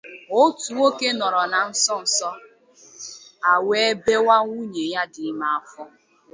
otu nwoke nọrọ na nsonso a wee bèwaa nwunyè ya dị ime afọ